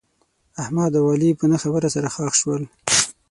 احمد او علي په نه خبره سره خښ شول.